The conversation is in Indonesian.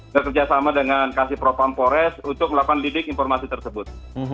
bekerjasama dengan kasih propampores untuk melakukan lidik informasi tersebut